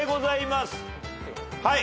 はい！